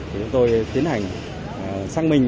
chúng tôi tiến hành xác minh